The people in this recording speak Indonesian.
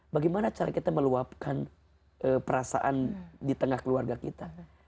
bagaimana cara kita meluapkan perasaan di tengah keluarga kita